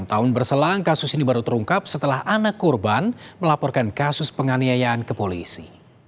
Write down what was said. enam tahun berselang kasus ini baru terungkap setelah anak korban melaporkan kasus penganiayaan ke polisi